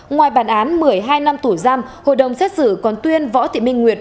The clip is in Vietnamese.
ngoài bàn án một mươi hai năm tủ giam hội đồng xét xử còn tuyên võ thị minh nguyệt